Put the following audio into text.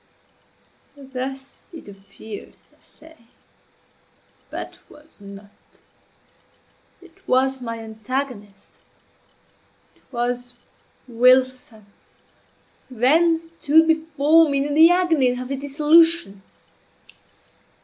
Thus it appeared, I say, but was not. It was my antagonist it was Wilson, who then stood before me in the agonies of his dissolution.